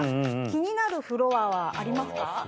気になるフロアはありますか？